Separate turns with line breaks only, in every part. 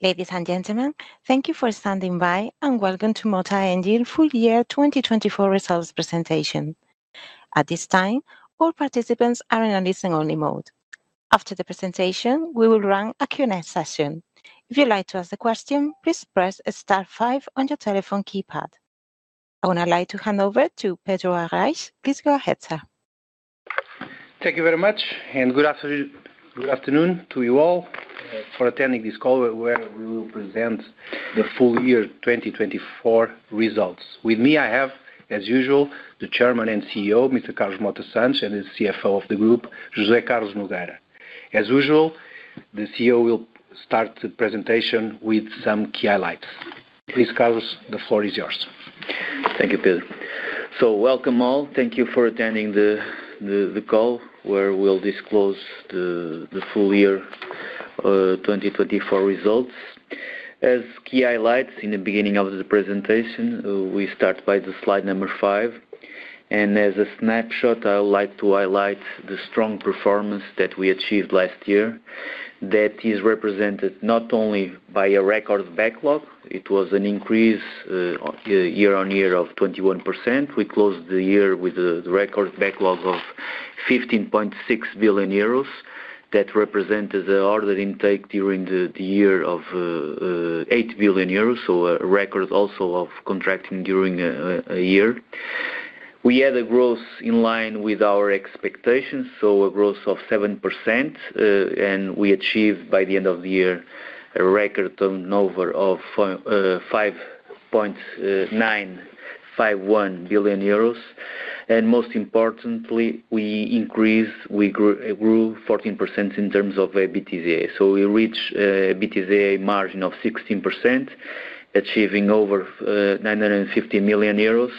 Ladies and gentlemen, thank you for standing by and welcome to Mota-Engil Full Year 2024 Results presentation. At this time, all participants are in a listen-only mode. After the presentation, we will run a Q&A session. If you'd like to ask a question, please press start five on your telephone keypad. I would now like to hand over to Pedro Arrais. Please go ahead, sir.
Thank you very much, and good afternoon to you all for attending this call where we will present the Full Year 2024 results. With me, I have, as usual, the Chairman and CEO, Mr. Carlos Mota Santos, and the CFO of the group, José Carlos Nogueira. As usual, the CEO will start the presentation with some key highlights. Please, Carlos, the floor is yours.
Thank you, Pedro. Welcome all. Thank you for attending the call where we'll disclose the Full Year 2024 results. As key highlights in the beginning of the presentation, we start by the slide number 5. As a snapshot, I would like to highlight the strong performance that we achieved last year that is represented not only by a record backlog. It was an increase year-on-year of 21%. We closed the year with a record backlog of 15.6 billion euros that represented the order intake during the year of 8 billion euros, so a record also of contracting during a year. We had a growth in line with our expectations, so a growth of 7%, and we achieved by the end of the year a record turnover of 5.951 billion euros. Most importantly, we increased, we grew 14% in terms of EBITDA. So we reached a EBITDA margin of 16%, achieving over 950 million euros.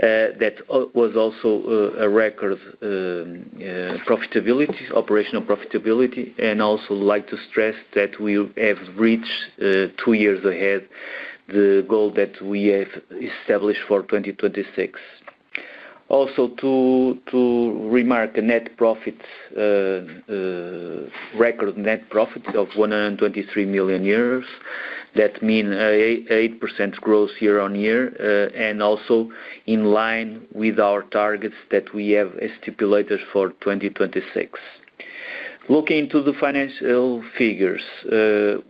That was also a record profitability, operational profitability, and I also like to stress that we have reached, two years ahead, the goal that we have established for 2026. Also, to remark a net profit, record net profit of 123 million euros. That means an 8% growth year-on-year and also in line with our targets that we have stipulated for 2026. Looking to the financial figures,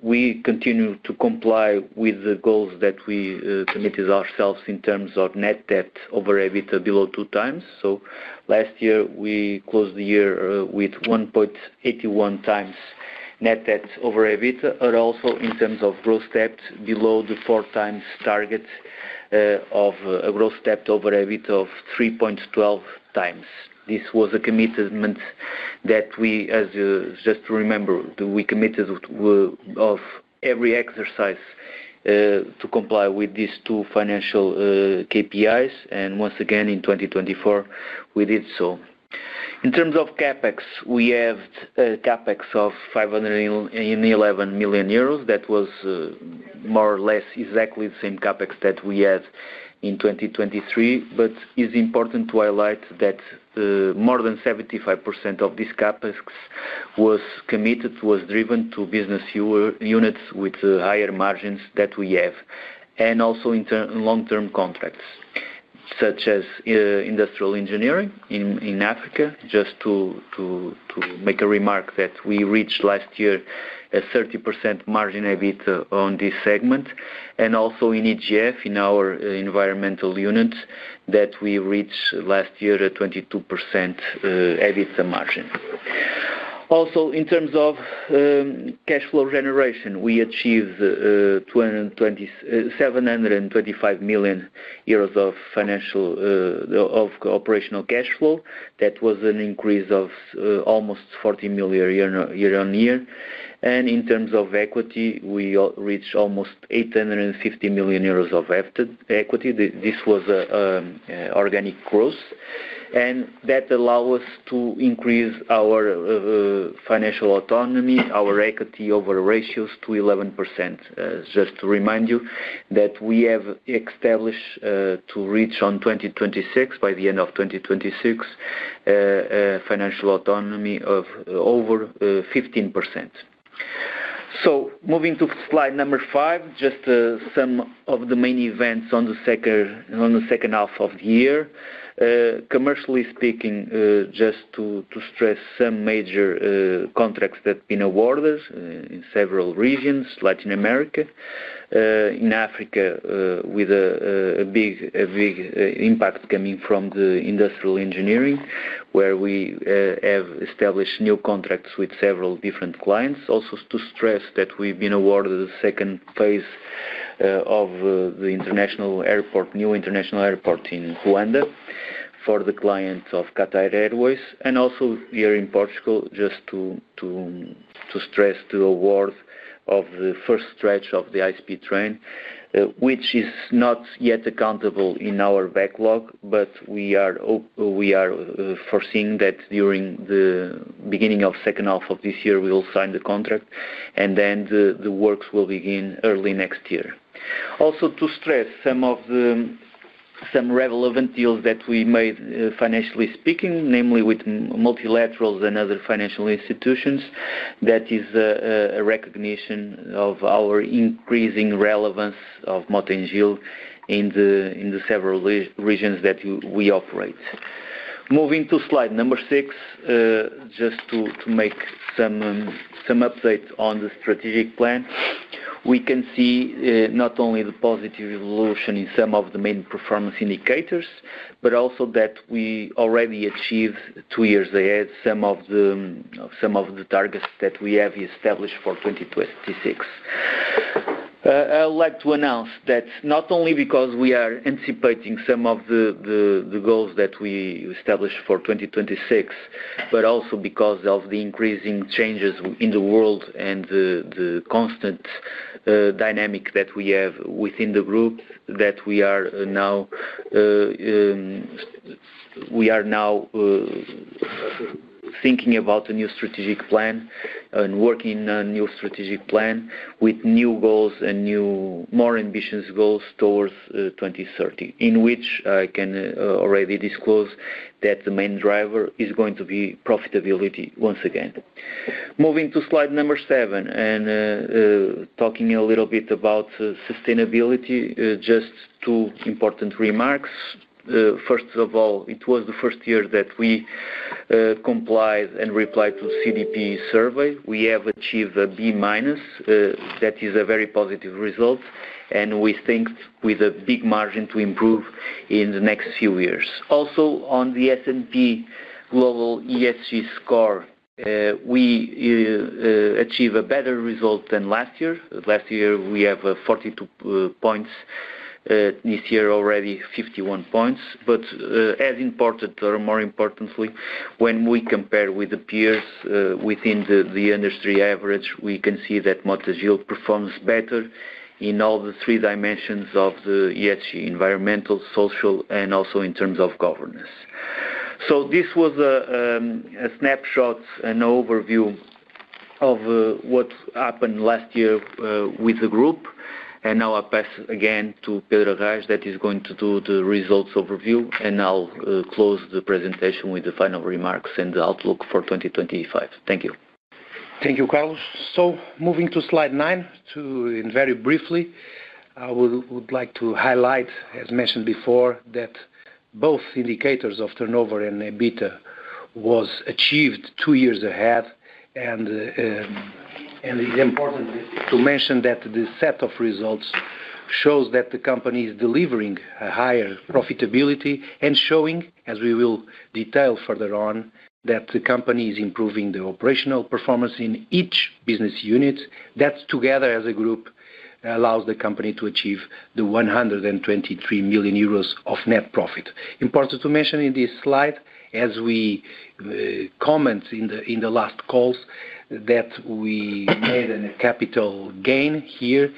we continue to comply with the goals that we committed ourselves in terms of net debt over EBITDA below two times. So last year, we closed the year with 1.81 times net debt over EBITDA, but also in terms of gross debt below the four times target of a gross debt over EBITDA of 3.12 times. This was a commitment that we, as just to remember, we committed of every exercise to comply with these two financial KPIs. And once again, in 2024, we did so. In terms of CapEx, we have a CapEx of 511 million euros. That was more or less exactly the same CapEx that we had in 2023. But it's important to highlight that more than 75% of this CapEx was committed, was driven to business units with higher margins that we have, and also in terms of long-term contracts, such as industrial engineering in Africa. Just to make a remark that we reached last year a 30% margin EBITDA on this segment, and also in EGF, in our environmental units, that we reached last year a 22% EBITDA margin. Also, in terms of cash flow generation, we achieved 725 million euros of operational cash flow. That was an increase of almost 40 million year-on-year. And in terms of equity, we reached almost 850 million euros of equity. This was an organic growth. And that allows us to increase our financial autonomy, our equity over ratios to 11%. Just to remind you that we have established to reach on 2026, by the end of 2026, financial autonomy of over 15%. So moving to slide number five, just some of the main events on the second half of the year. Commercially speaking, just to stress some major contracts that have been awarded in several regions, Latin America, in Africa, with a big impact coming from the industrial engineering, where we have established new contracts with several different clients. Also to stress that we've been awarded the second phase of the international airport, new international airport in Rwanda for the client of Qatar Airways. And also here in Portugal, just to stress the award of the first stretch of the high-speed train, which is not yet accountable in our backlog, but we are foreseeing that during the beginning of the second half of this year, we will sign the contract, and then the works will begin early next year. Also to stress some relevant deals that we made financially speaking, namely with multilaterals and other financial institutions, that is a recognition of our increasing relevance of Mota-Engil in the several regions that we operate. Moving to slide number 6, just to make some update on the strategic plan, we can see not only the positive evolution in some of the main performance indicators, but also that we already achieved two years ahead some of the targets that we have established for 2026. I would like to announce that not only because we are anticipating some of the goals that we established for 2026, but also because of the increasing changes in the world and the constant dynamic that we have within the group, that we are now thinking about a new strategic plan and working on a new strategic plan with new goals and new, more ambitious goals towards 2030, in which I can already disclose that the main driver is going to be profitability once again. Moving to slide number 7 and talking a little bit about sustainability, just two important remarks. First of all, it was the first year that we complied and replied to the CDP survey. We have achieved a B minus. That is a very positive result, and we think with a big margin to improve in the next few years. Also, on the S&P Global ESG score, we achieved a better result than last year. Last year, we have 42 points. This year, already 51 points. But as important, or more importantly, when we compare with the peers within the industry average, we can see that Mota-Engil performs better in all the three dimensions of the ESG environmental, social, and also in terms of governance. So this was a snapshot and overview of what happened last year with the group. And now I'll pass again to Pedro Arrais that is going to do the results overview, and I'll close the presentation with the final remarks and the outlook for 2025. Thank you.
Thank you, Carlos. So moving to slide 9, to very briefly, I would like to highlight, as mentioned before, that both indicators of turnover and EBITDA were achieved two years ahead. And it's important to mention that the set of results shows that the company is delivering a higher profitability and showing, as we will detail further on, that the company is improving the operational performance in each business unit. That together, as a group, allows the company to achieve the 123 million euros of net profit. Important to mention in this slide, as we commented in the last calls, that we made a capital gain here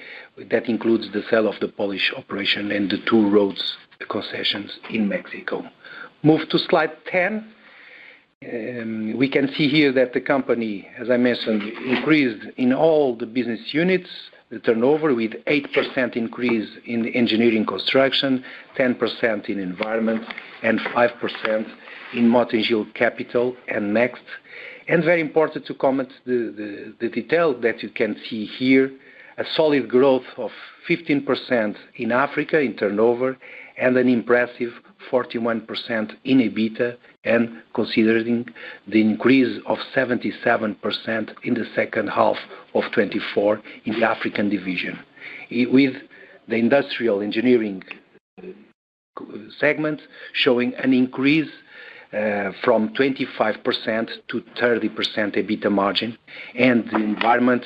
that includes the sale of the Polish operation and the two roads concessions in Mexico. Move to slide 10. We can see here that the company, as I mentioned, increased in all the business units the turnover with an 8% increase in engineering construction, 10% in environment, and 5% in Mota-Engil Capital and Next, and very important to comment the detail that you can see here, a solid growth of 15% in Africa in turnover and an impressive 41% in EBITDA, and considering the increase of 77% in the second half of 2024 in the African division, with the industrial engineering segment showing an increase from 25% to 30% EBITDA margin, and the environment,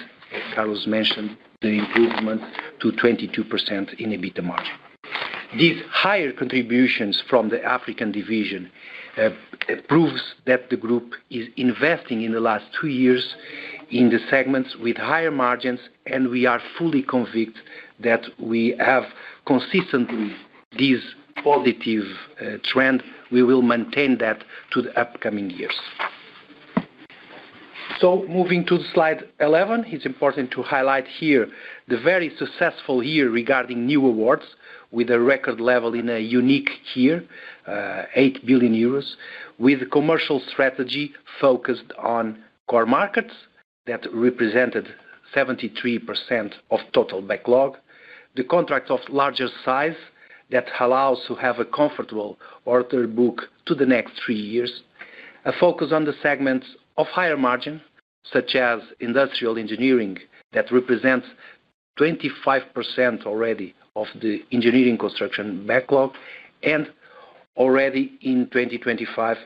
Carlos mentioned, the improvement to 22% in EBITDA margin. These higher contributions from the African division prove that the group is investing in the last two years in the segments with higher margins, and we are fully convinced that we have consistently this positive trend. We will maintain that to the upcoming years. Moving to slide 11, it's important to highlight here the very successful year regarding new awards with a record level in a unique year, 8 billion euros, with a commercial strategy focused on core markets that represented 73% of total backlog, the contract of larger size that allows to have a comfortable order book to the next three years, a focus on the segments of higher margin, such as industrial engineering that represents 25% already of the engineering construction backlog, and already in 2025,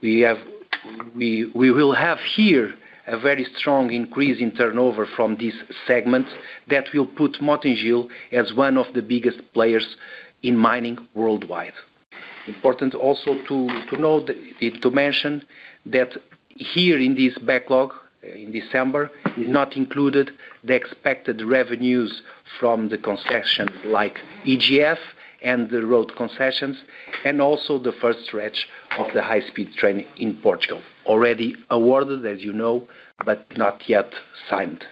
we will have here a very strong increase in turnover from this segment that will put Mota-Engil as one of the biggest players in mining worldwide. Important also to note to mention that here in this backlog in December is not included the expected revenues from the concessions like EGF and the road concessions, and also the first stretch of the high-speed train in Portugal, already awarded, as you know, but not yet signed.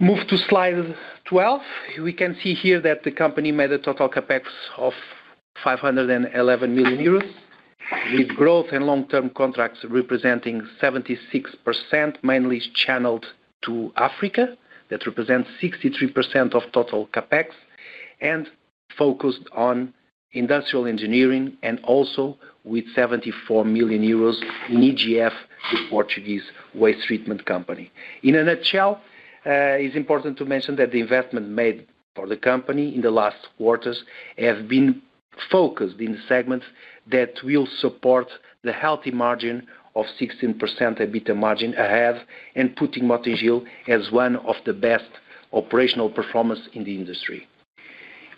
Move to slide 12. We can see here that the company made a total CapEx of 511 million euros, with growth and long-term contracts representing 76%, mainly channeled to Africa, that represents 63% of total CapEx, and focused on industrial engineering, and also with 74 million euros in EGF, the Portuguese waste treatment company. In a nutshell, it's important to mention that the investment made for the company in the last quarters has been focused in segments that will support the healthy margin of 16% EBITDA margin ahead and putting Mota-Engil as one of the best operational performance in the industry.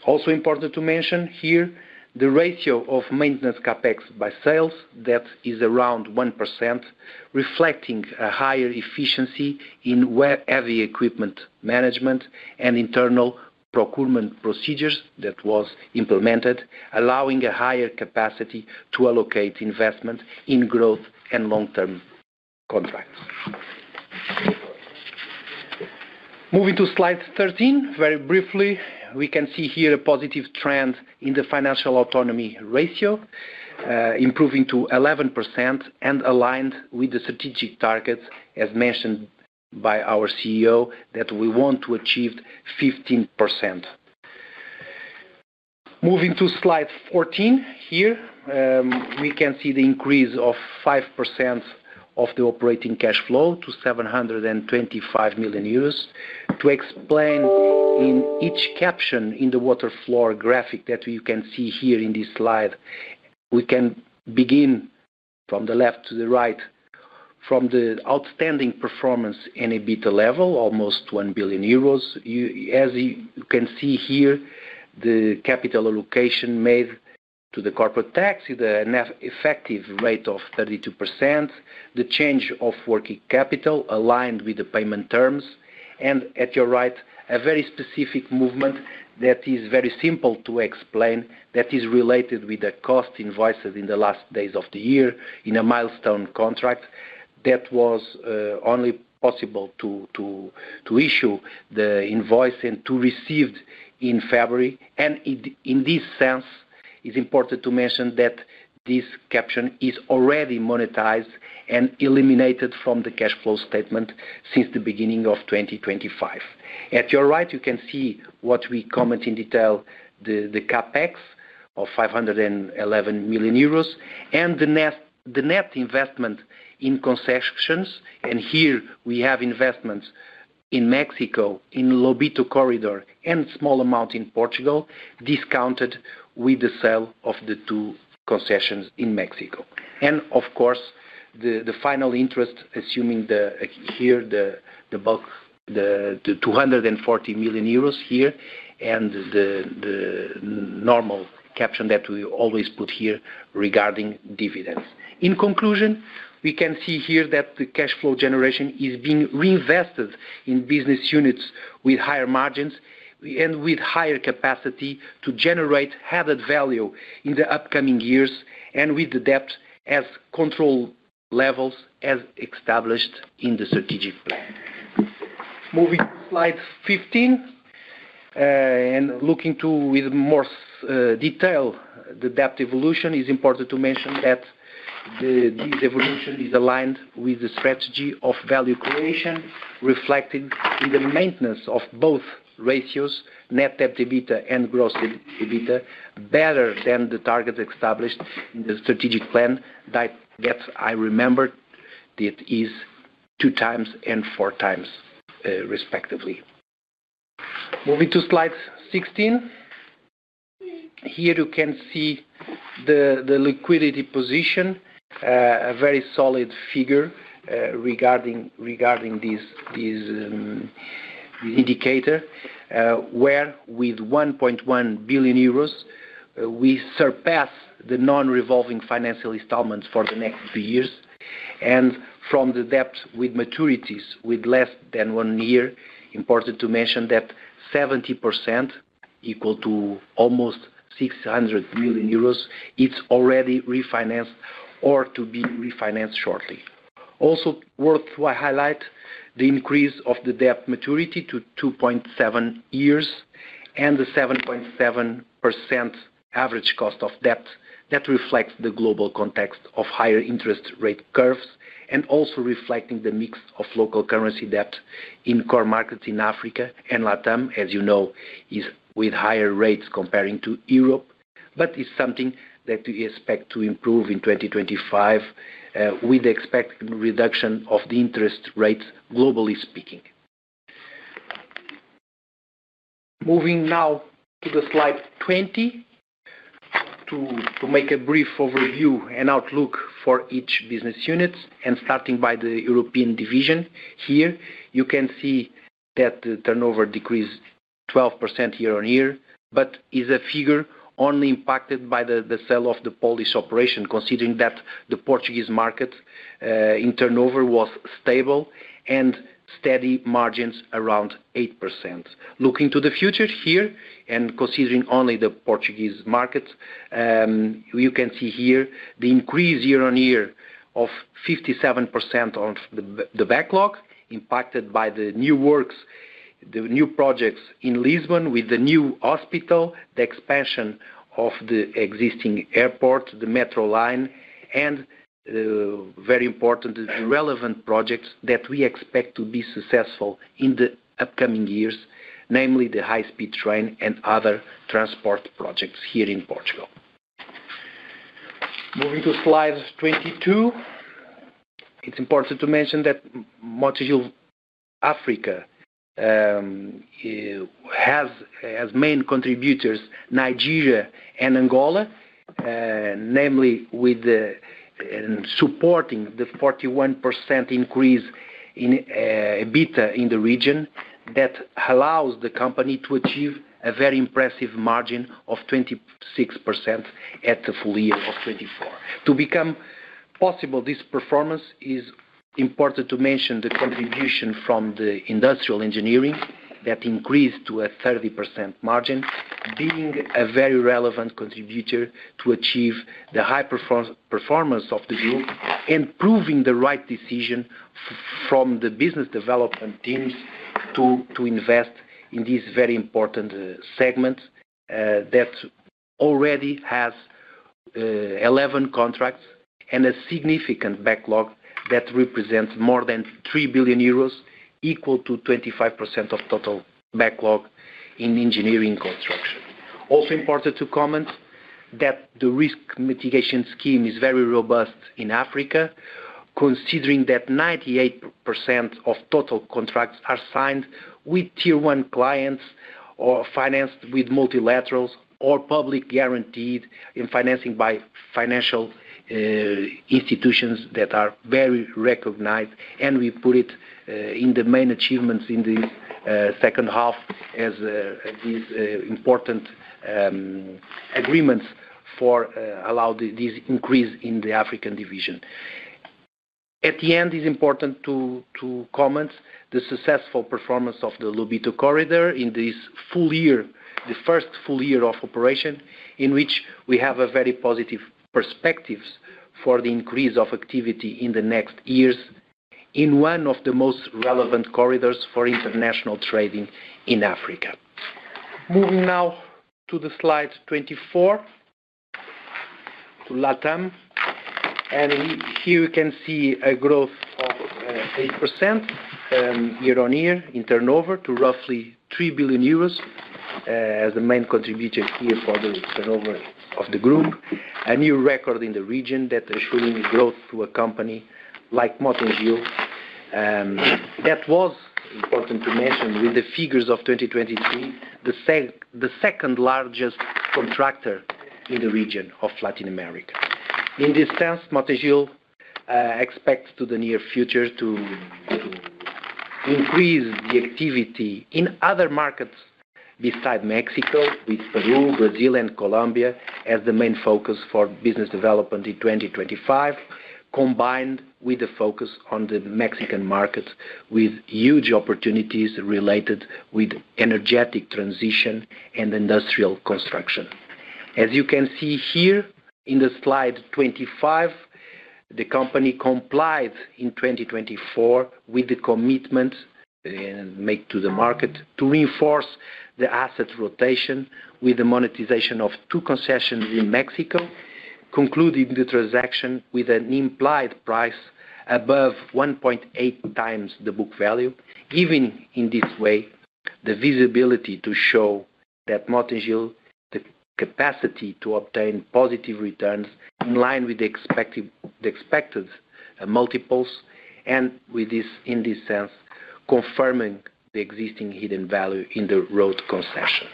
Also important to mention here, the ratio of maintenance CapEx by sales that is around 1%, reflecting a higher efficiency in heavy equipment management and internal procurement procedures that was implemented, allowing a higher capacity to allocate investment in growth and long-term contracts. Moving to slide 13, very briefly, we can see here a positive trend in the financial autonomy ratio, improving to 11% and aligned with the strategic target, as mentioned by our CEO, that we want to achieve 15%. Moving to slide 14 here, we can see the increase of 5% of the operating cash flow to 725 million euros. To explain in each caption in the waterfall graphic that you can see here in this slide, we can begin from the left to the right from the outstanding performance and EBITDA level, almost 1 billion euros. As you can see here, the capital allocation made to the corporate tax with an effective rate of 32%, the change of working capital aligned with the payment terms, and at your right, a very specific movement that is very simple to explain that is related with the cost invoices in the last days of the year in a milestone contract that was only possible to issue the invoice and to receive in February. And in this sense, it's important to mention that this caption is already monetized and eliminated from the cash flow statement since the beginning of 2025. At your right, you can see what we comment in detail, the CapEx of 511 million euros, and the net investment in concessions. And here we have investments in Mexico, in Lobito Corridor, and a small amount in Portugal, discounted with the sale of the two concessions in Mexico. And of course, the final interest, assuming here the 240 million euros here and the normal caption that we always put here regarding dividends. In conclusion, we can see here that the cash flow generation is being reinvested in business units with higher margins and with higher capacity to generate added value in the upcoming years and with the debt as control levels as established in the strategic plan. Moving to slide 15 and looking to with more detail the debt evolution, it's important to mention that this evolution is aligned with the strategy of value creation reflected in the maintenance of both ratios, net debt EBITDA and gross EBITDA, better than the target established in the strategic plan that I remembered it is two times and four times, respectively. Moving to slide 16. Here you can see the liquidity position, a very solid figure regarding this indicator, where with 1.1 billion euros, we surpass the non-revolving financial installments for the next two years. From the debt with maturities with less than one year, important to mention that 70% equal to almost 600 million euros, it's already refinanced or to be refinanced shortly. Also worth to highlight the increase of the debt maturity to 2.7 years and the 7.7% average cost of debt that reflects the global context of higher interest rate curves and also reflecting the mix of local currency debt in core markets in Africa and LatAm, as you know, is with higher rates comparing to Europe, but it's something that we expect to improve in 2025 with the expected reduction of the interest rates, globally speaking. Moving now to the slide 20 to make a brief overview and outlook for each business unit, and starting by the European division, here you can see that the turnover decreased 12% year on year, but is a figure only impacted by the sale of the Polish operation, considering that the Portuguese market in turnover was stable and steady margins around 8%. Looking to the future here and considering only the Portuguese market, you can see here the increase year on year of 57% of the backlog impacted by the new works, the new projects in Lisbon with the new hospital, the expansion of the existing airport, the metro line, and very important relevant projects that we expect to be successful in the upcoming years, namely the high-speed train and other transport projects here in Portugal. Moving to slide 22, it's important to mention that Mota-Engil, Africa, has as main contributors Nigeria and Angola, namely with supporting the 41% increase in EBITDA in the region that allows the company to achieve a very impressive margin of 26% at the full year of 2024. To become possible, this performance is important to mention the contribution from the industrial engineering that increased to a 30% margin, being a very relevant contributor to achieve the high performance of the group and proving the right decision from the business development teams to invest in this very important segment that already has 11 contracts and a significant backlog that represents more than 3 billion euros, equal to 25% of total backlog in engineering construction. Also important to comment that the risk mitigation scheme is very robust in Africa, considering that 98% of total contracts are signed with tier one clients or financed with multilaterals or public guaranteed in financing by financial institutions that are very recognized, and we put it in the main achievements in the second half as these important agreements allowed this increase in the African division. At the end, it's important to comment the successful performance of the Lobito Corridor in this full year, the first full year of operation, in which we have very positive perspectives for the increase of activity in the next years in one of the most relevant corridors for international trading in Africa. Moving now to the slide 24, to LatAm. Here you can see a growth of 8% year-on-year in turnover to roughly 3 billion euros as the main contributor here for the turnover of the group, a new record in the region that is showing growth to a company like Mota-Engil. That was important to mention with the figures of 2023, the second largest contractor in the region of Latin America. In this sense, Mota-Engil expects to the near future to increase the activity in other markets besides Mexico, with Peru, Brazil, and Colombia as the main focus for business development in 2025, combined with the focus on the Mexican market with huge opportunities related with energy transition and industrial construction. As you can see here in Slide 25, the company complied in 2024 with the commitment made to the market to reinforce the asset rotation with the monetization of two concessions in Mexico, concluding the transaction with an implied price above 1.8 times the book value, giving in this way the visibility to show that Mota-Engil the capacity to obtain positive returns in line with the expected multiples, and with this, in this sense, confirming the existing hidden value in the road concession.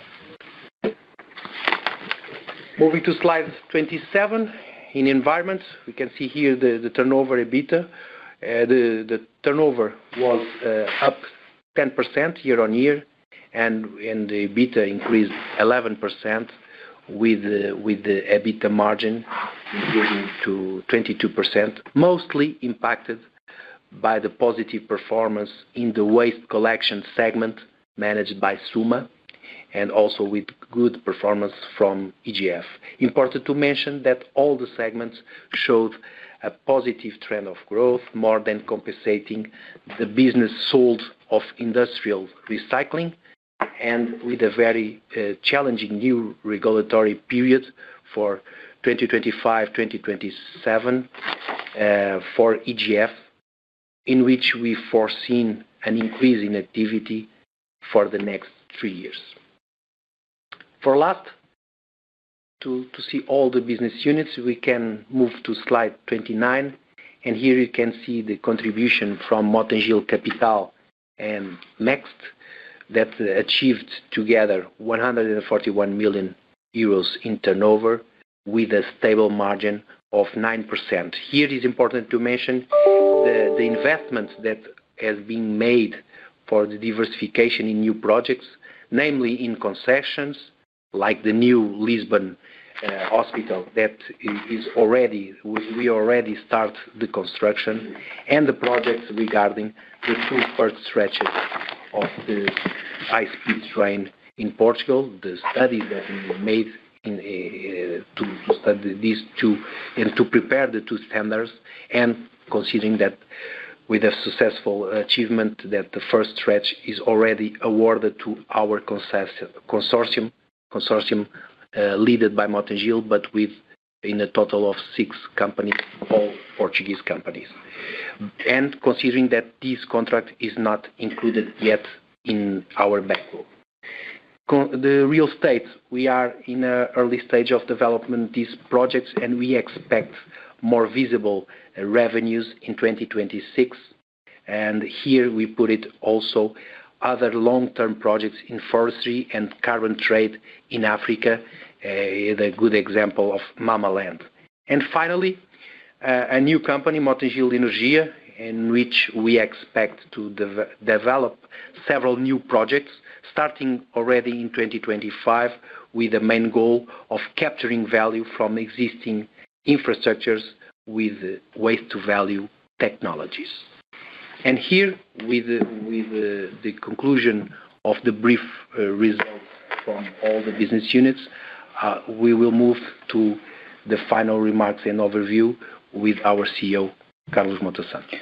Moving to Slide 27, in environment, we can see here the turnover EBITDA. The turnover was up 10% year on year, and the EBITDA increased 11% with the EBITDA margin improving to 22%, mostly impacted by the positive performance in the waste collection segment managed by SUMA, and also with good performance from EGF. Important to mention that all the segments showed a positive trend of growth, more than compensating the business sold of industrial recycling, and with a very challenging new regulatory period for 2025-2027 for EGF, in which we foreseen an increase in activity for the next three years. For last, to see all the business units, we can move to slide 29. Here you can see the contribution from Mota-Engil Capital and Next that achieved together 141 million euros in turnover with a stable margin of 9%. Here it is important to mention the investment that has been made for the diversification in new projects, namely in concessions like the new Lisbon hospital that is already we already start the construction and the projects regarding the two first stretches of the high-speed train in Portugal, the study that we made to study these two and to prepare the two standards. Considering that with a successful achievement that the first stretch is already awarded to our consortium led by Mota-Engil, but with a total of six companies, all Portuguese companies. Considering that this contract is not included yet in our backlog. The real estate, we are in an early stage of development, these projects, and we expect more visible revenues in 2026. Here we put it also, other long-term projects in forestry and carbon trade in Africa, a good example of Mamaland. Finally, a new company, Mota-Engil Energia, in which we expect to develop several new projects starting already in 2025 with a main goal of capturing value from existing infrastructures with waste-to-value technologies. Here, with the conclusion of the brief result from all the business units, we will move to the final remarks and overview with our CEO, Carlos Mota Santos.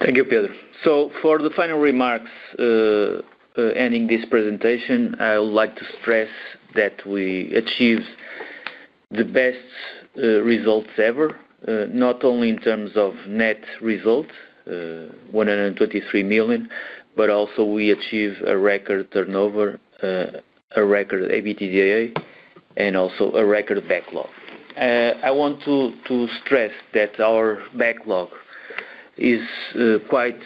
Thank you, Pedro. So for the final remarks ending this presentation, I would like to stress that we achieved the best results ever, not only in terms of net result, 123 million, but also we achieved a record turnover, a record EBITDA, and also a record backlog. I want to stress that our backlog is quite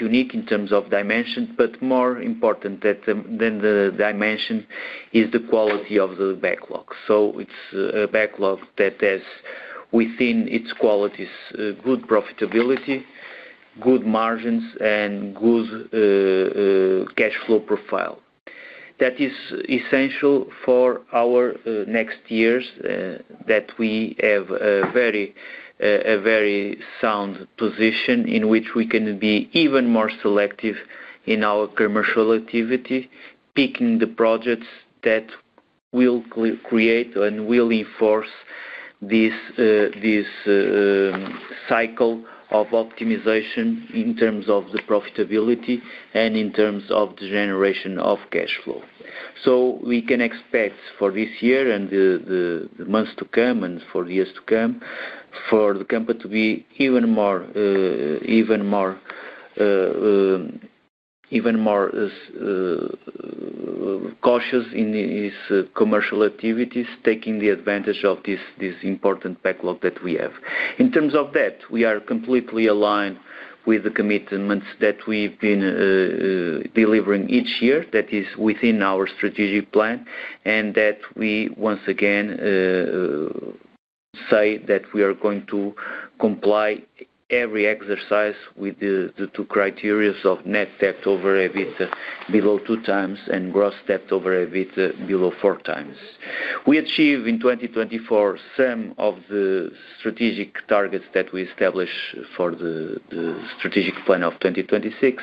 unique in terms of dimension, but more important than the dimension is the quality of the backlog. So it's a backlog that has, within its qualities, good profitability, good margins, and good cash flow profile. That is essential for our next years that we have a very sound position in which we can be even more selective in our commercial activity, picking the projects that will create and will enforce this cycle of optimization in terms of the profitability and in terms of the generation of cash flow. So we can expect for this year and the months to come and for years to come for the company to be even more cautious in its commercial activities, taking the advantage of this important backlog that we have. In terms of that, we are completely aligned with the commitments that we've been delivering each year, that is within our strategic plan, and that we once again say that we are going to comply every exercise with the two criteria of net debt over EBITDA below two times and gross debt over EBITDA below four times. We achieved in 2024 some of the strategic targets that we established for the strategic plan of 2026.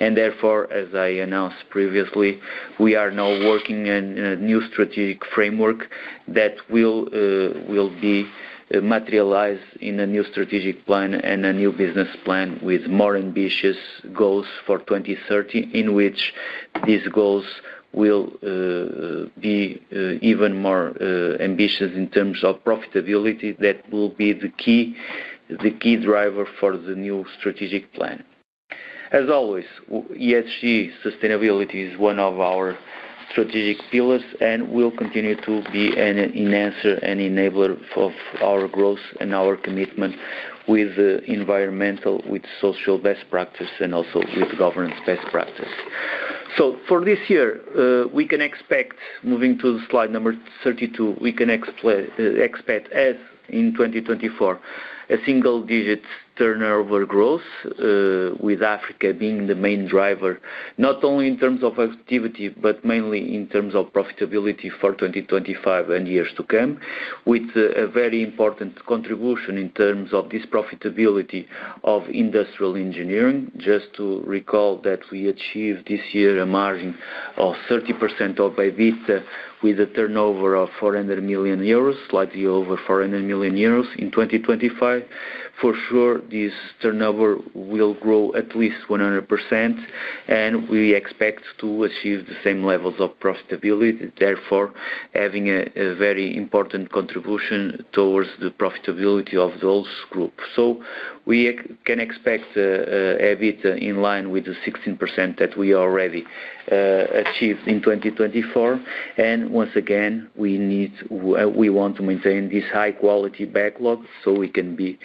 Therefore, as I announced previously, we are now working on a new strategic framework that will be materialized in a new strategic plan and a new business plan with more ambitious goals for 2030, in which these goals will be even more ambitious in terms of profitability that will be the key driver for the new strategic plan. As always, ESG sustainability is one of our strategic pillars and will continue to be an enhancer and enabler of our growth and our commitment with the environmental, with social best practices, and also with governance best practices. For this year, we can expect, moving to slide number 32, we can expect as in 2024, a single-digit turnover growth with Africa being the main driver, not only in terms of activity, but mainly in terms of profitability for 2025 and years to come, with a very important contribution in terms of this profitability of industrial engineering. Just to recall that we achieved this year a margin of 30% of EBITDA with a turnover of 400 million euros, slightly over 400 million euros in 2025. For sure, this turnover will grow at least 100%, and we expect to achieve the same levels of profitability, therefore having a very important contribution towards the profitability of those groups. We can expect EBITDA in line with the 16% that we already achieved in 2024. Once again, we want to maintain this high-quality backlog so we can be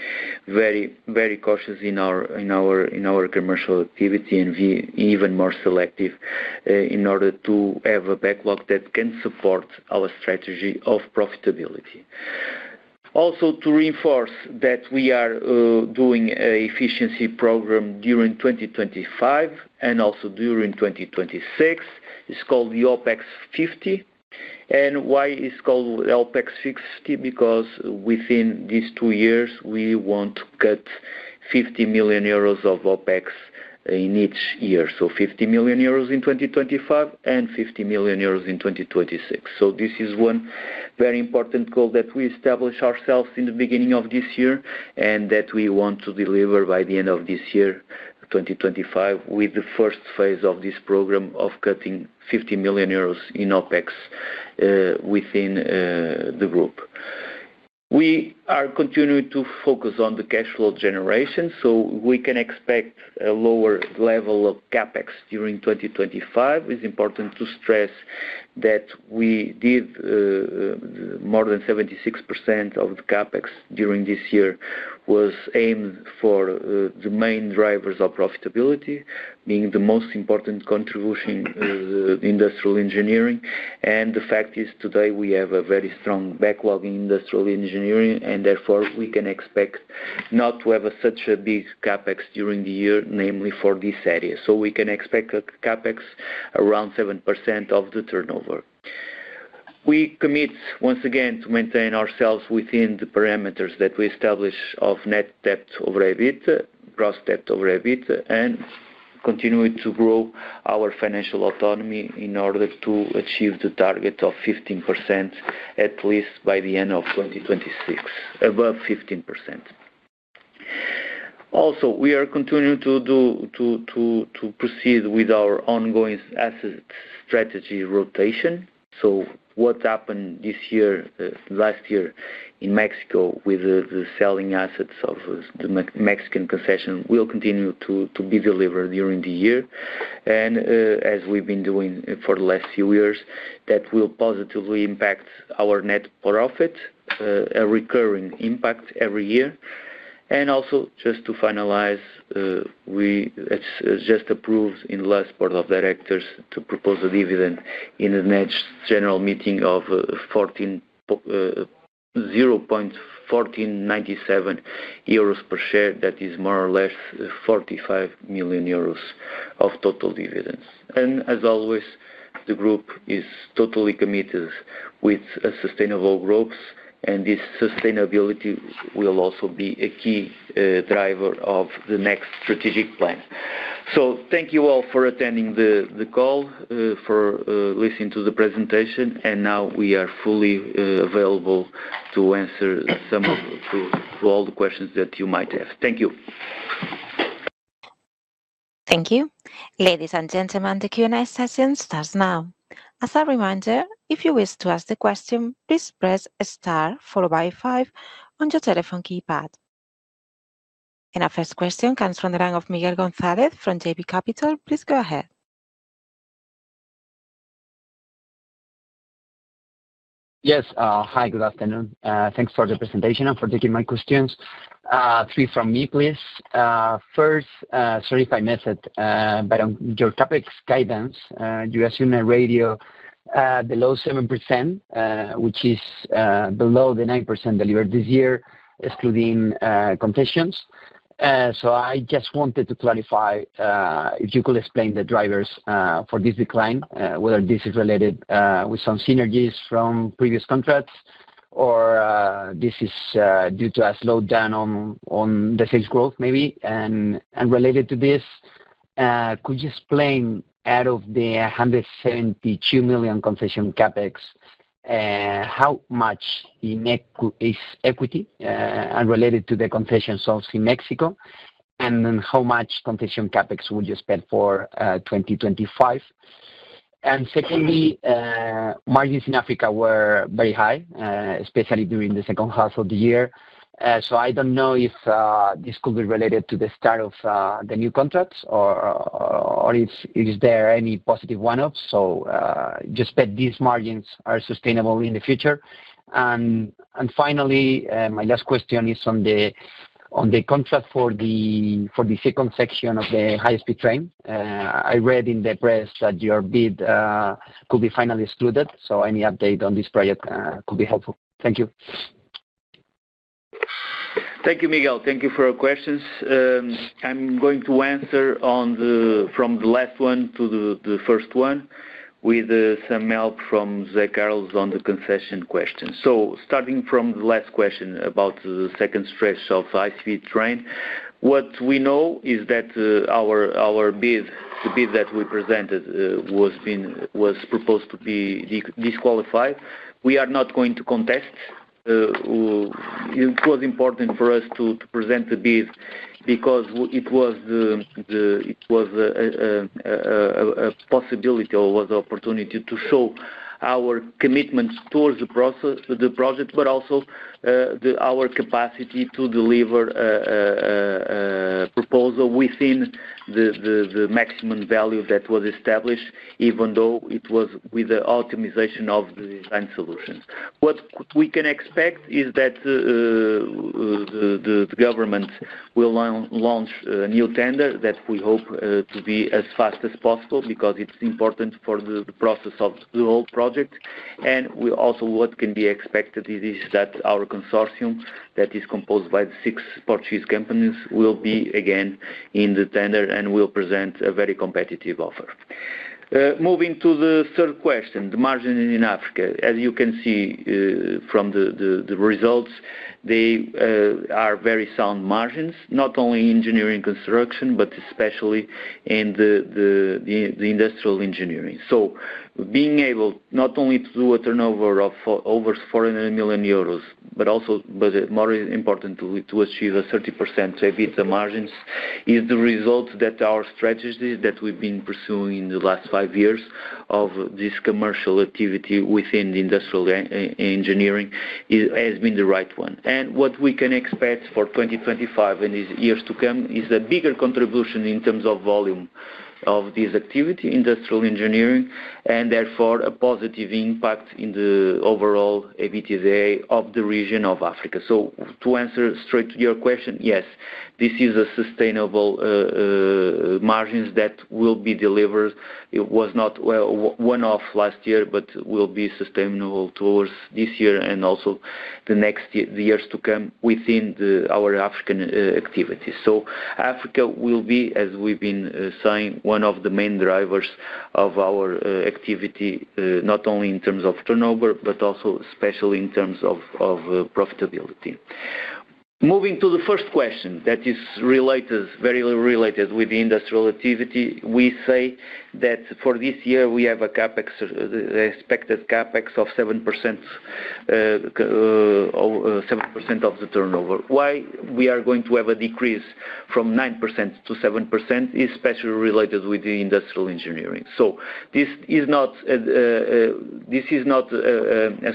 very cautious in our commercial activity and be even more selective in order to have a backlog that can support our strategy of profitability. Also, to reinforce that we are doing an efficiency program during 2025 and also during 2026, it's called the OPEX 50. Why it's called OPEX 50? Because within these two years, we want to cut 50 million euros of OPEX in each year. 50 million euros in 2025 and 50 million euros in 2026. This is one very important goal that we established ourselves in the beginning of this year and that we want to deliver by the end of this year, 2025, with the first phase of this program of cutting 50 million euros in OPEX within the group. We are continuing to focus on the cash flow generation, so we can expect a lower level of CapEx during 2025. It's important to stress that we did more than 76% of the CapEx during this year was aimed for the main drivers of profitability, being the most important contribution to industrial engineering, and the fact is today we have a very strong backlog in industrial engineering, and therefore we can expect not to have such a big CapEx during the year, namely for this area, so we can expect CapEx around 7% of the turnover. We commit, once again, to maintain ourselves within the parameters that we established of net debt over EBITDA, gross debt over EBITDA, and continue to grow our financial autonomy in order to achieve the target of 15% at least by the end of 2026, above 15%. Also, we are continuing to proceed with our ongoing asset strategy rotation. So what happened this year, last year in Mexico with the selling assets of the Mexican concession will continue to be delivered during the year. And as we've been doing for the last few years, that will positively impact our net profit, a recurring impact every year. And also, just to finalize, we just approved in the last board of directors to propose a dividend in the next general meeting of 0.1497 euros per share. That is more or less 45 million euros of total dividends. And as always, the group is totally committed with sustainable growth, and this sustainability will also be a key driver of the next strategic plan. So thank you all for attending the call, for listening to the presentation. Now we are fully available to answer some of all the questions that you might have. Thank you.
Thank you. Ladies and gentlemen, the Q&A session starts now. As a reminder, if you wish to ask the question, please press star followed by five on your telephone keypad. Our first question comes from the line of Miguel González from JB Capital. Please go ahead.
Yes. Hi, good afternoon. Thanks for the presentation and for taking my questions. Three from me, please. First, sorry if I missed, but on your top line's guidance, you assume a ratio below 7%, which is below the 9% delivered this year, excluding concessions. I just wanted to clarify if you could explain the drivers for this decline, whether this is related with some synergies from previous contracts or this is due to a slowdown on the sales growth maybe. Related to this, could you explain out of the 172 million concession CapEx, how much is equity related to the concession sales in Mexico, and then how much concession CapEx would you spend for 2025? Secondly, margins in Africa were very high, especially during the second half of the year. So I don't know if this could be related to the start of the new contracts or if there are any positive one-offs. So I bet these margins are sustainable in the future. Finally, my last question is on the contract for the second section of the high-speed train. I read in the press that your bid could be finally excluded. So any update on this project could be helpful. Thank you.
Thank you, Miguel. Thank you for your questions. I'm going to answer from the last one to the first one with some help from José Carlos on the concession questions. So starting from the last question about the second stretch of the high-speed train, what we know is that our bid, the bid that we presented, was proposed to be disqualified. We are not going to contest. It was important for us to present the bid because it was a possibility or was an opportunity to show our commitment towards the project, but also our capacity to deliver a proposal within the maximum value that was established, even though it was with the optimization of the design solutions. What we can expect is that the government will launch a new tender that we hope to be as fast as possible because it's important for the process of the whole project. And also what can be expected is that our consortium that is composed by the six Portuguese companies will be again in the tender and will present a very competitive offer. Moving to the third question, the margin in Africa. As you can see from the results, they are very sound margins, not only in engineering construction, but especially in the industrial engineering. So being able not only to do a turnover of over 400 million euros, but also more important to achieve a 30% EBITDA margins is the result that our strategy that we've been pursuing in the last five years of this commercial activity within the industrial engineering has been the right one. What we can expect for 2025 and these years to come is a bigger contribution in terms of volume of this activity, industrial engineering, and therefore a positive impact in the overall EBITDA of the region of Africa. To answer straight to your question, yes, this is a sustainable margin that will be delivered. It was not one-off last year, but will be sustainable towards this year and also the next years to come within our African activity. Africa will be, as we've been saying, one of the main drivers of our activity, not only in terms of turnover, but also especially in terms of profitability. Moving to the first question that is very related with the industrial activity, we say that for this year we have an expected CapEx of 7% of the turnover. Why we are going to have a decrease from 9% to 7% is especially related with the industrial engineering. So this is not a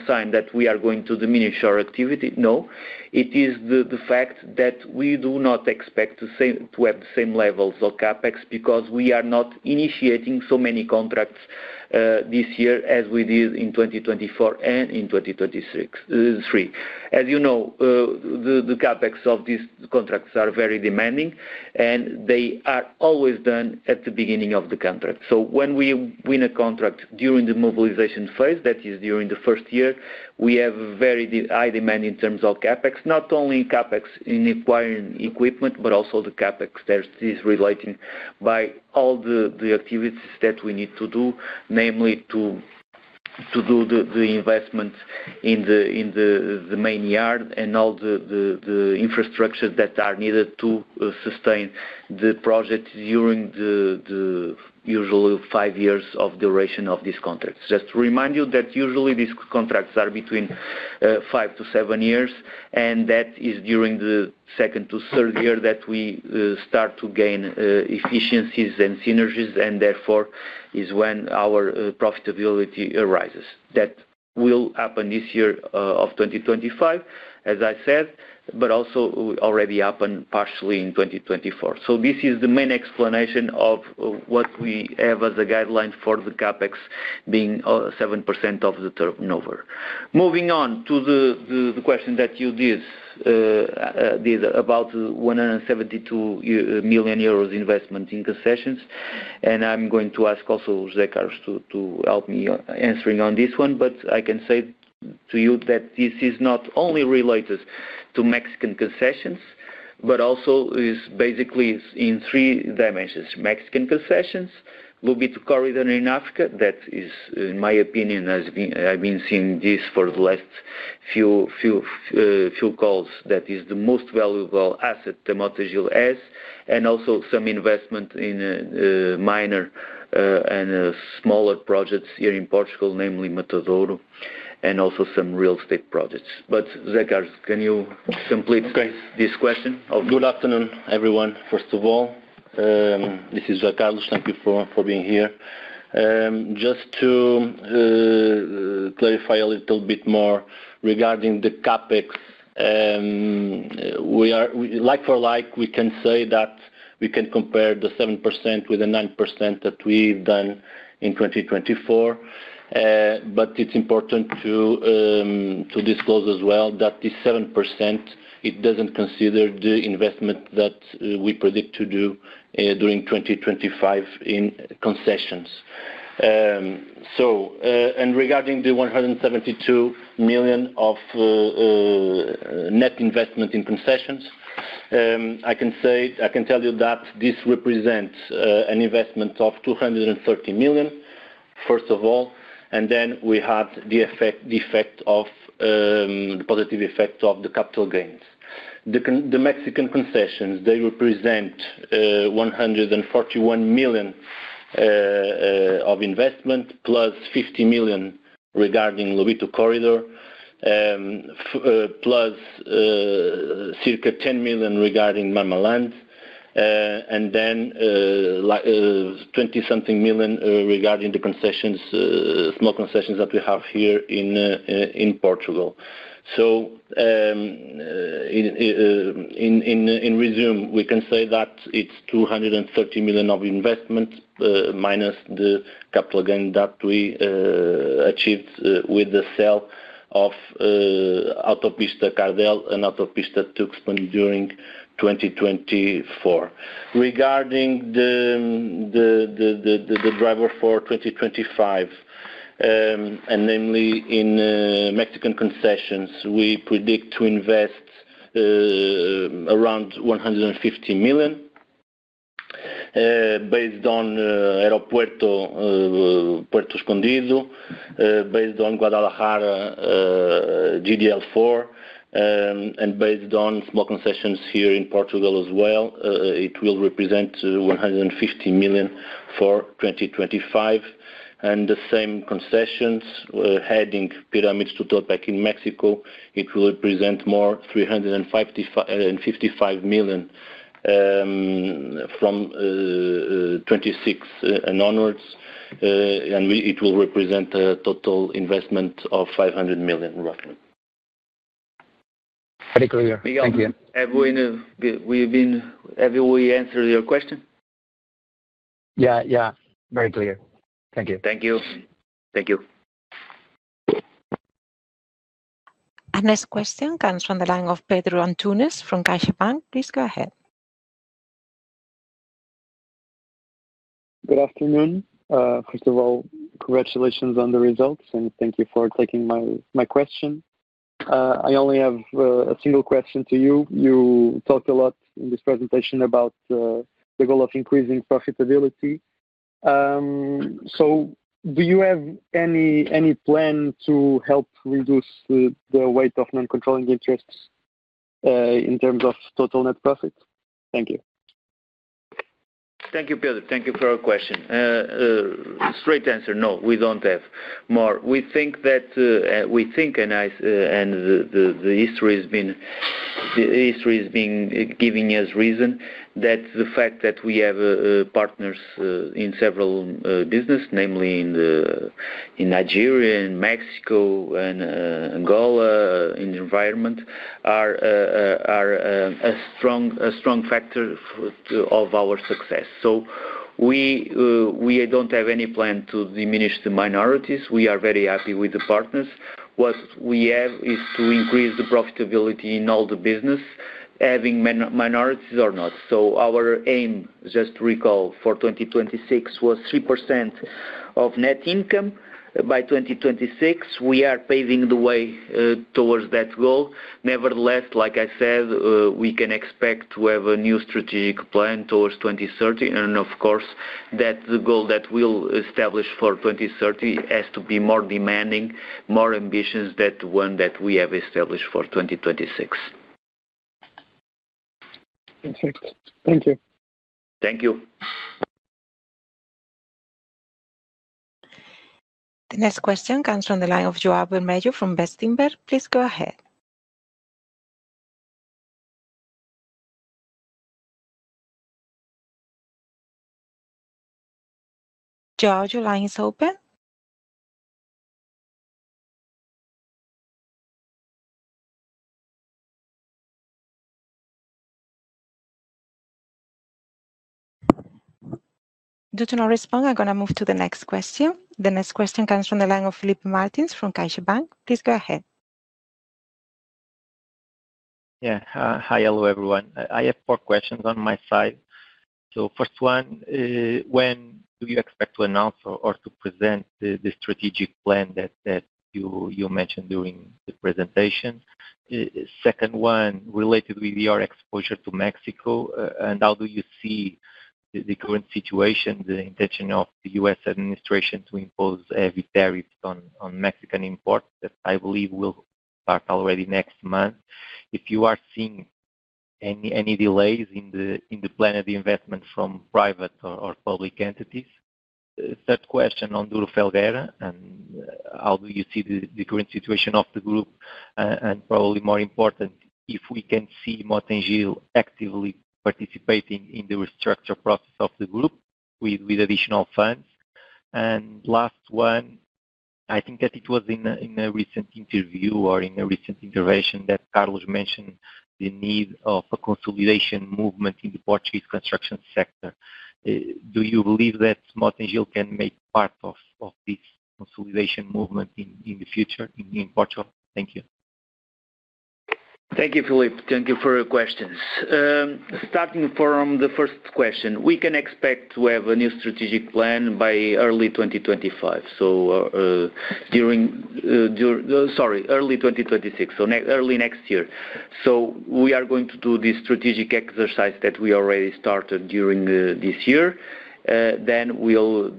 sign that we are going to diminish our activity. No. It is the fact that we do not expect to have the same levels of CapEx because we are not initiating so many contracts this year as we did in 2024 and in 2023. As you know, the CapEx of these contracts are very demanding, and they are always done at the beginning of the contract. When we win a contract during the mobilization phase, that is during the first year, we have a very high demand in terms of CapEx, not only CapEx in acquiring equipment, but also the CapEx that is relating by all the activities that we need to do, namely to do the investment in the main yard and all the infrastructures that are needed to sustain the project during the usual five years of duration of these contracts. Just to remind you that usually these contracts are between five to seven years, and that is during the second to third year that we start to gain efficiencies and synergies, and therefore is when our profitability arises. That will happen this year of 2025, as I said, but also already happened partially in 2024. This is the main explanation of what we have as a guideline for the CapEx being 7% of the turnover. Moving on to the question that you did about the 172 million euros investment in concessions. I'm going to ask also José Carlos to help me answering on this one, but I can say to you that this is not only related to Mexican concessions, but also is basically in three dimensions. Mexican concessions, Lobito Corridor in Africa, that is, in my opinion, I've been seeing this for the last few calls, that is the most valuable asset that Mota-Engil has, and also some investment in minor and smaller projects here in Portugal, namely Matadouro, and also some real estate projects. José Carlos, can you complete this question?
Good afternoon, everyone. First of all, this is José Carlos. Thank you for being here. Just to clarify a little bit more regarding the CapEx, like for like, we can say that we can compare the 7% with the 9% that we've done in 2024. But it's important to disclose as well that this 7%, it doesn't consider the investment that we predict to do during 2025 in concessions. And regarding the 172 million of net investment in concessions, I can tell you that this represents an investment of 230 million, first of all, and then we have the effect of the positive effect of the capital gains. The Mexican concessions, they represent 141 million of investment, plus 50 million regarding Lobito Corridor, plus circa 10 million regarding Mamaland, and then 20-something million regarding the concessions, small concessions that we have here in Portugal. In summary, we can say that it's 230 million of investment minus the capital gain that we achieved with the sale of Autopista Cardel and Autopista Tuxpan during 2024. Regarding the driver for 2025, and namely in Mexican concessions, we predict to invest around 150 million based on Aeropuerto Puerto Escondido, based on Guadalajara GDL4, and based on small concessions here in Portugal as well. It will represent 150 million for 2025. And the same concessions, heading Pirámides-Tulancingo in Mexico, it will represent more 355 million from 2026 and onwards, and it will represent a total investment of 500 million, roughly.
Very clear. Thank you. Have we answered your question?
Yeah, yeah. Very clear. Thank you.
Thank you.
Thank you.
Our next question comes from the line of Pedro Antunes from CaixaBank. Please go ahead. Good afternoon.
First of all, congratulations on the results, and thank you for taking my question. I only have a single question to you. You talked a lot in this presentation about the goal of increasing profitability. So do you have any plan to help reduce the weight of non-controlling interests in terms of total net profit? Thank you.
Thank you, Pedro. Thank you for your question. Straight answer, no, we don't have more. We think that, and the history has been giving us reason, that the fact that we have partners in several businesses, namely in Nigeria, in Mexico, and Angola, in the environment, are a strong factor of our success. So we don't have any plan to diminish the minorities. We are very happy with the partners. What we have is to increase the profitability in all the businesses, having minorities or not. So our aim, just to recall, for 2026 was 3% of net income. By 2026, we are paving the way towards that goal. Nevertheless, like I said, we can expect to have a new strategic plan towards 2030. And of course, that the goal that we'll establish for 2030 has to be more demanding, more ambitious than the one that we have established for 2026.
Perfect. Thank you.
Thank you.
The next question comes from the line of João Vermelho from Bestinver. Please go ahead. João, your line is open. I'm going to move to the next question. The next question comes from the line of Filipe Martins from CaixaBank. Please go ahead.
Yeah. Hi, hello, everyone. I have four questions on my side. So first one, when do you expect to announce or to present the strategic plan that you mentioned during the presentation? Second one, related with your exposure to Mexico, and how do you see the current situation, the intention of the U.S. administration to impose heavy tariffs on Mexican imports that I believe will start already next month? If you are seeing any delays in the plan of the investment from private or public entities? Third question on Duro Felguera, and how do you see the current situation of the group? And probably more important, if we can see Mota-Engil actively participating in the restructure process of the group with additional funds? And last one, I think that it was in a recent interview or in a recent intervention that Carlos mentioned the need of a consolidation movement in the Portuguese construction sector. Do you believe that Mota-Engil can make part of this consolidation movement in the future in Portugal? Thank you.
Thank you, Filipe. Thank you for your questions. Starting from the first question, we can expect to have a new strategic plan by early 2025. So during sorry, early 2026, so early next year. We are going to do this strategic exercise that we already started during this year. Then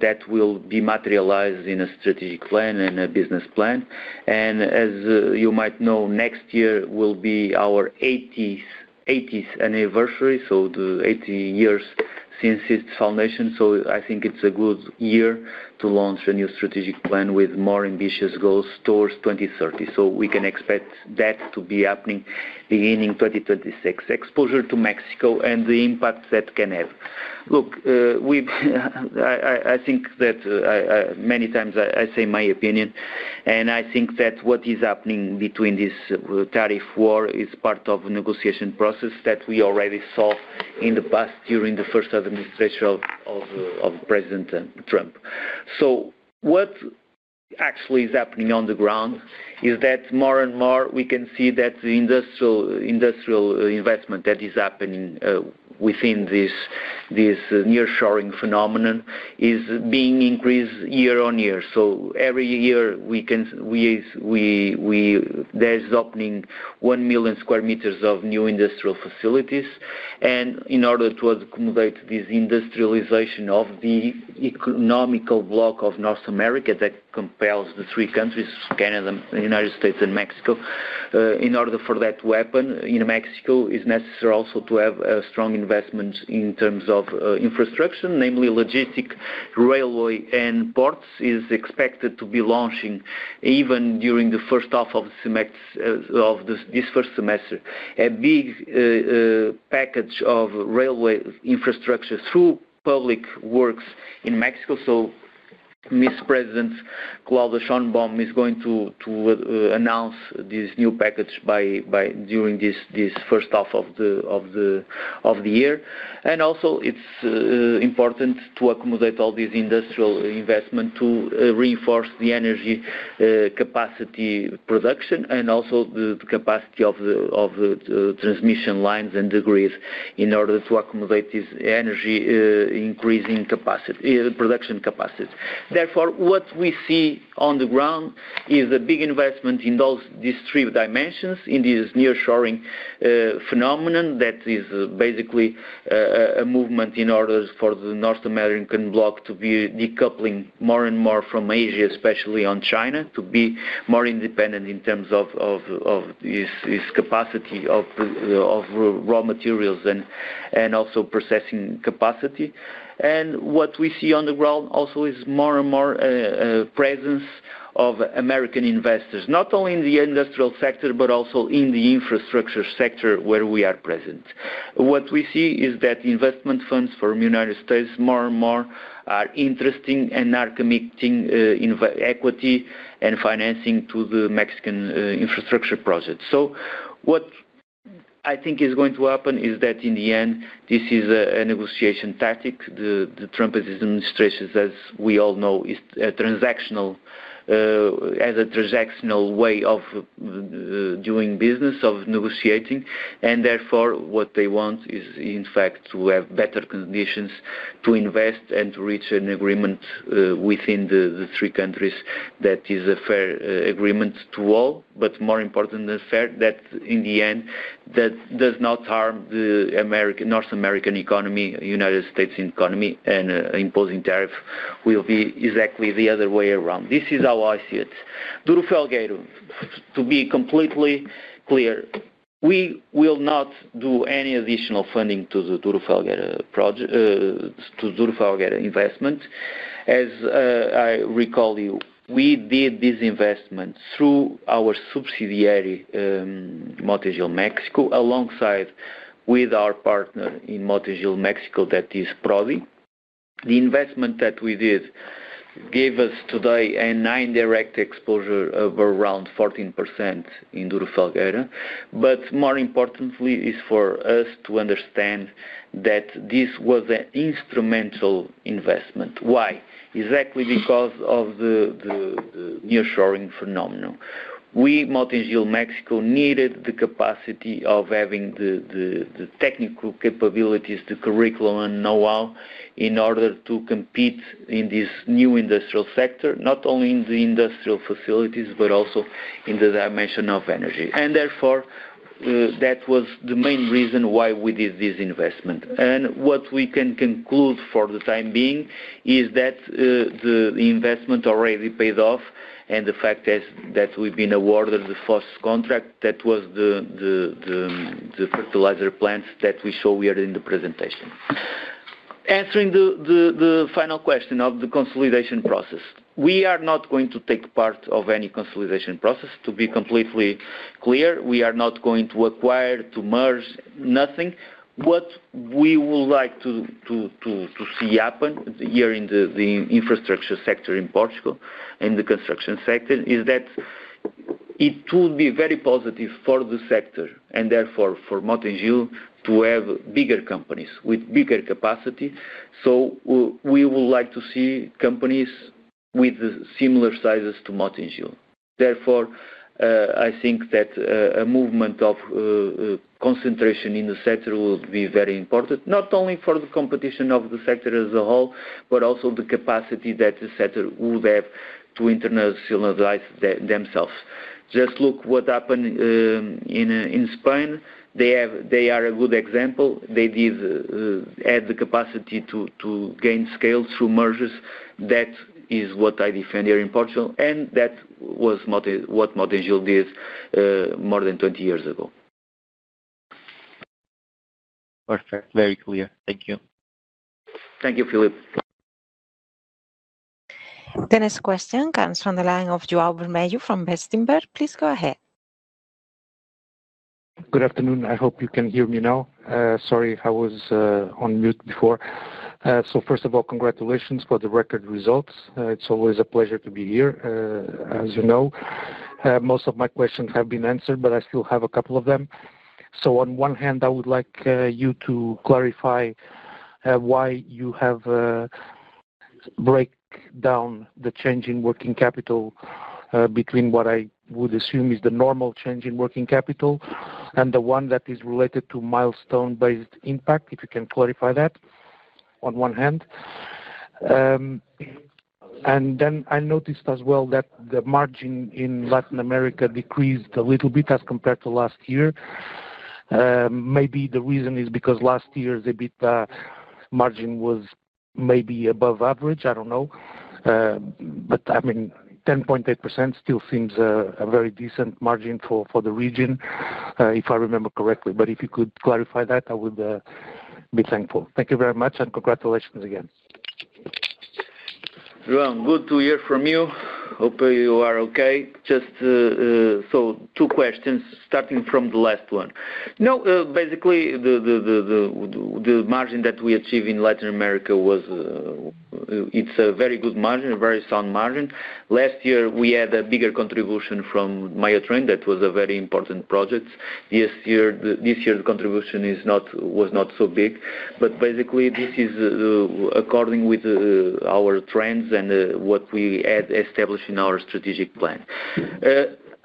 that will be materialized in a strategic plan and a business plan. As you might know, next year will be our 80th anniversary, so the 80 years since its foundation. I think it's a good year to launch a new strategic plan with more ambitious goals towards 2030. We can expect that to be happening beginning 2026. Exposure to Mexico and the impact that can have. Look, I think that many times I say my opinion, and I think that what is happening between this tariff war is part of a negotiation process that we already saw in the past during the first administration of President Trump. So what actually is happening on the ground is that more and more we can see that the industrial investment that is happening within this nearshoring phenomenon is being increased year-on-year. So every year there's opening 1 million sqm of new industrial facilities. In order to accommodate this industrialization of the economic bloc of North America that compels the three countries, Canada, the United States, and Mexico, in order for that to happen in Mexico, it is necessary also to have a strong investment in terms of infrastructure, namely logistics, railway, and ports. It is expected to be launching even during the first half of this first semester. A big package of railway infrastructure through public works in Mexico. So President Claudia Sheinbaum is going to announce this new package during this first half of the year. It is also important to accommodate all this industrial investment to reinforce the energy capacity production and also the capacity of the transmission lines and grids in order to accommodate this energy increasing production capacity. Therefore, what we see on the ground is a big investment in those distributed dimensions in this nearshoring phenomenon that is basically a movement in order for the North American bloc to be decoupling more and more from Asia, especially on China, to be more independent in terms of this capacity of raw materials and also processing capacity. And what we see on the ground also is more and more presence of American investors, not only in the industrial sector, but also in the infrastructure sector where we are present. What we see is that investment funds from the United States more and more are interesting and are committing equity and financing to the Mexican infrastructure project. So what I think is going to happen is that in the end, this is a negotiation tactic. The Trump administration, as we all know, is a transactional way of doing business, of negotiating. And therefore, what they want is, in fact, to have better conditions to invest and to reach an agreement within the three countries that is a fair agreement to all, but more important than fair, that in the end, that does not harm the North American economy, United States economy, and imposing tariffs will be exactly the other way around. This is how I see it. Duro Felguera, to be completely clear, we will not do any additional funding to the Duro Felguera investment. As I recall you, we did this investment through our subsidiary, Mota-Engil Mexico, alongside with our partner in Mota-Engil Mexico that is Prodi. The investment that we did gave us today an indirect exposure of around 14% in Duro Felguera. But more importantly, it's for us to understand that this was an instrumental investment. Why? Exactly because of the nearshoring phenomenon. We, Mota-Engil Mexico, needed the capacity of having the technical capabilities, the curriculum, and know-how in order to compete in this new industrial sector, not only in the industrial facilities, but also in the dimension of energy. And therefore, that was the main reason why we did this investment. And what we can conclude for the time being is that the investment already paid off, and the fact is that we've been awarded the first contract that was the fertilizer plant that we show here in the presentation. Answering the final question of the consolidation process, we are not going to take part of any consolidation process, to be completely clear. We are not going to acquire, to merge, nothing. What we would like to see happen here in the infrastructure sector in Portugal and the construction sector is that it would be very positive for the sector and therefore for Mota-Engil to have bigger companies with bigger capacity. So we would like to see companies with similar sizes to Mota-Engil. Therefore, I think that a movement of concentration in the sector will be very important, not only for the competition of the sector as a whole, but also the capacity that the sector will have to internationalize themselves. Just look what happened in Spain. They are a good example. They did add the capacity to gain scale through mergers. That is what I defend here in Portugal, and that was what Mota-Engil did more than 20 years ago.
Perfect. Very clear. Thank you.
Thank you, Filipe.
The next question comes from the line of João Vermelho from Bestinver. Please go ahead.
Good afternoon. I hope you can hear me now. Sorry if I was on mute before. So first of all, congratulations for the record results. It's always a pleasure to be here, as you know. Most of my questions have been answered, but I still have a couple of them. So on one hand, I would like you to clarify why you have broken down the change in working capital between what I would assume is the normal change in working capital and the one that is related to milestone-based impact, if you can clarify that on one hand. And then I noticed as well that the margin in Latin America decreased a little bit as compared to last year. Maybe the reason is because last year's EBITDA margin was maybe above average. I don't know. But I mean, 10.8% still seems a very decent margin for the region, if I remember correctly. But if you could clarify that, I would be thankful. Thank you very much, and congratulations again.
João, good to hear from you. Hope you are okay. Just so two questions starting from the last one. No, basically, the margin that we achieved in Latin America was. It's a very good margin, a very sound margin. Last year, we had a bigger contribution from Maya Train. That was a very important project. This year, the contribution was not so big. But basically, this is according with our trends and what we had established in our strategic plan.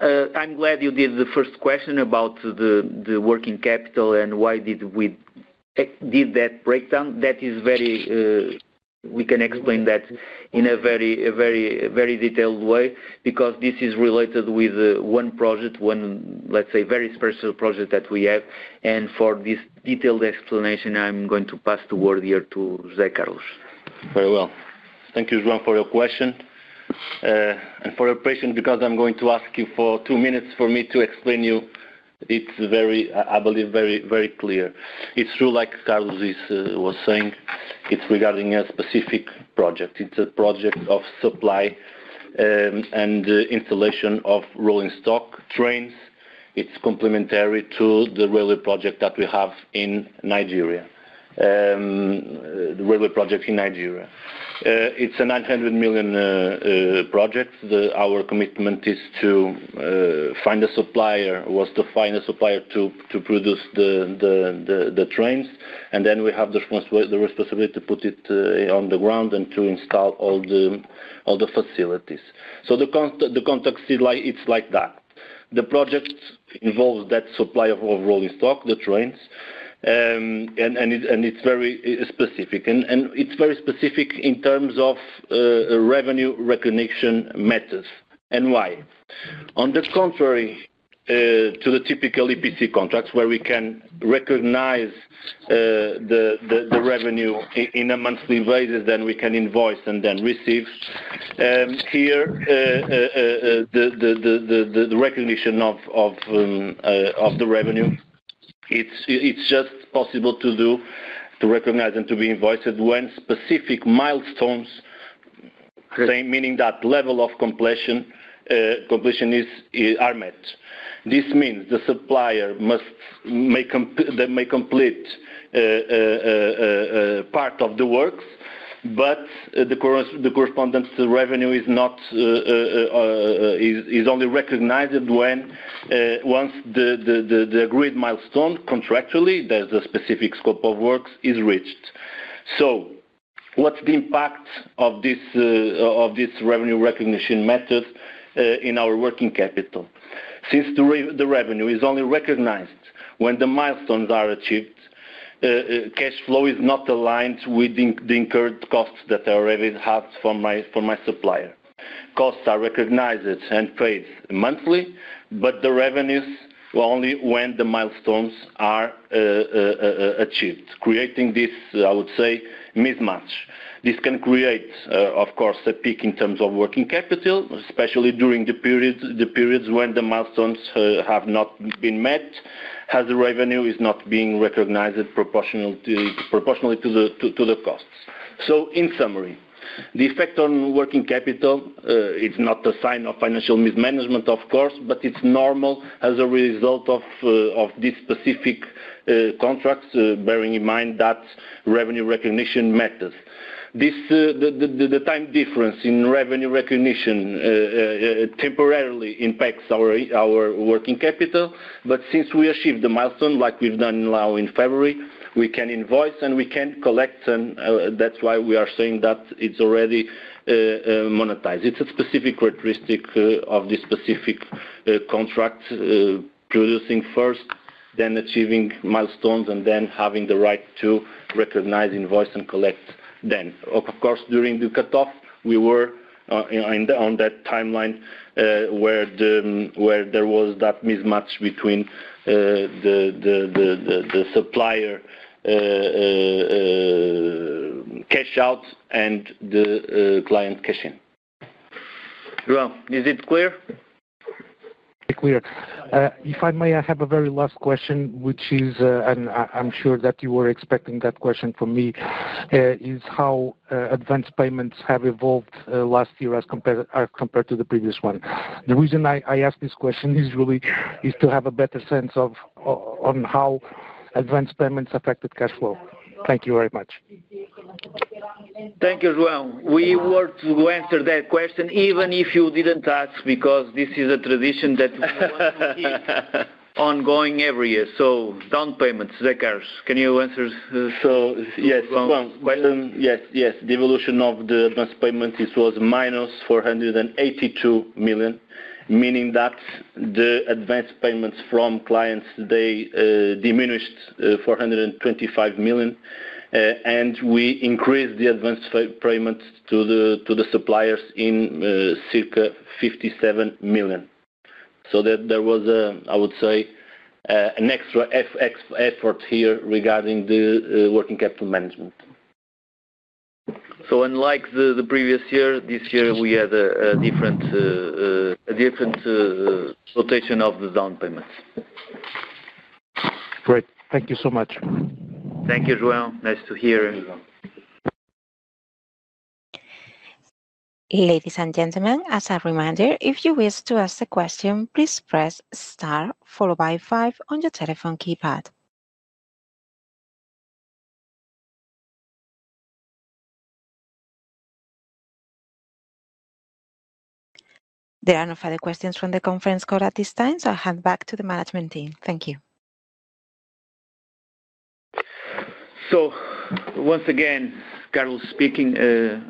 I'm glad you did the first question about the working capital and why did we do that breakdown. That is very we can explain that in a very detailed way because this is related with one project, let's say, very special project that we have. For this detailed explanation, I'm going to pass the word here to José Carlos.
Very well. Thank you, João, for your question and for your patience, because I'm going to ask you for two minutes for me to explain you. It's very, I believe, very clear. It's true, like Carlos was saying. It's regarding a specific project. It's a project of supply and installation of rolling stock, trains. It's complementary to the railway project that we have in Nigeria, the railway project in Nigeria. It's a 900 million project. Our commitment is to find a supplier, was to find a supplier to produce the trains. And then we have the responsibility to put it on the ground and to install all the facilities. So the context is like it's like that. The project involves that supply of rolling stock, the trains, and it's very specific. And it's very specific in terms of revenue recognition methods and why. On the contrary to the typical EPC contracts where we can recognize the revenue in a monthly basis, then we can invoice and then receive, here the recognition of the revenue, it's just possible to do, to recognize and to be invoiced when specific milestones, meaning that level of completion are met. This means the supplier must make complete part of the works, but the correspondence to revenue is only recognized once the agreed milestone contractually, there's a specific scope of works, is reached. So what's the impact of this revenue recognition method in our working capital? Since the revenue is only recognized when the milestones are achieved, cash flow is not aligned with the incurred costs that I already have from my supplier. Costs are recognized and paid monthly, but the revenues only when the milestones are achieved, creating this, I would say, mismatch. This can create, of course, a peak in terms of working capital, especially during the periods when the milestones have not been met, as the revenue is not being recognized proportionally to the costs. So in summary, the effect on working capital, it's not a sign of financial mismanagement, of course, but it's normal as a result of these specific contracts, bearing in mind that revenue recognition methods. The time difference in revenue recognition temporarily impacts our working capital, but since we achieve the milestone like we've done now in February, we can invoice and we can collect, and that's why we are saying that it's already monetized. It's a specific characteristic of this specific contract, producing first, then achieving milestones, and then having the right to recognize, invoice, and collect then. Of course, during the cutoff, we were on that timeline where there was that mismatch between the supplier cash out and the client cash in.
João, is it clear?
Clear. If I may, I have a very last question, which is, and I'm sure that you were expecting that question from me, is how advance payments have evolved last year as compared to the previous one. The reason I ask this question is really to have a better sense of how advance payments affected cash flow. Thank you very much.
Thank you, João. We were to answer that question even if you didn't ask because this is a tradition that we want to keep ongoing every year. So down payments, José Carlos, can you answer? Yes. Question?
Yes. Yes. The evolution of the advance payments, it was -482 million, meaning that the advance payments from clients, they diminished 425 million, and we increased the advance payments to the suppliers in circa 57 million. So there was, I would say, an extra effort here regarding the working capital management. So unlike the previous year, this year we had a different rotation of the down payments.
Great. Thank you so much.
Thank you, João. Nice to hear.
Ladies and gentlemen, as a reminder, if you wish to ask a question, please press star followed by five on your telephone keypad. There are no further questions from the conference call at this time, so I'll hand back to the management team. Thank you.
So once again, Carlos speaking,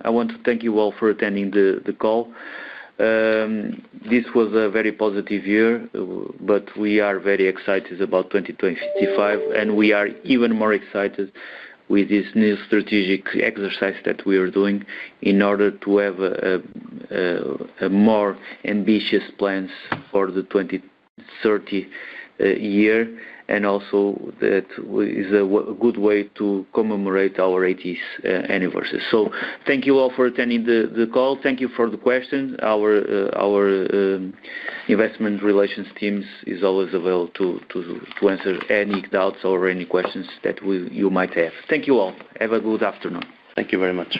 I want to thank you all for attending the call. This was a very positive year, but we are very excited about 2025, and we are even more excited with this new strategic exercise that we are doing in order to have more ambitious plans for the 2030 year and also that is a good way to commemorate our 80th anniversary. So thank you all for attending the call. Thank you for the questions. Our investment relations team is always available to answer any doubts or any questions that you might have. Thank you all. Have a good afternoon. Thank you very much.